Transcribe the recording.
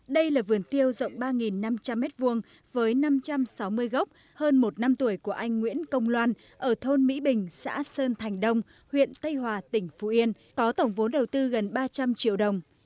đây là vườn tiêu rộng ba năm trăm linh m hai với năm trăm sáu mươi gốc hơn một năm tuổi của anh nguyễn công loan ở thôn mỹ bình xã sơn thành đông huyện tây hòa tỉnh phú yên có tổng vốn đầu tư gần ba trăm linh triệu đồng